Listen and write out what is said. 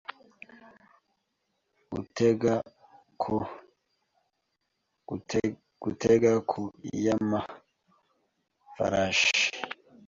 gutega ku y’amafarashi